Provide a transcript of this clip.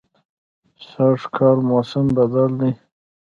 سږکال موسم بدل دی